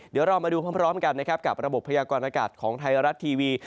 เดี๋ยวเรามาดูพร้อมกันนะครับกับระบบพยากรณากาศของไทยรัฐทีวี